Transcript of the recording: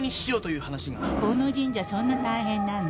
この神社そんな大変なの？